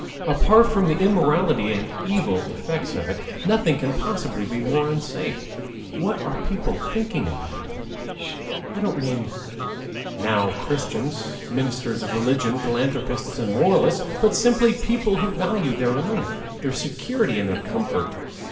Apart from the immorality and evil effects of it, nothing can possibly be more unsafe. What are people thinking about? I don't mean now Christians, ministers of religion, philanthropists, and moralists, but simply people who value their life, their security, and their comfort.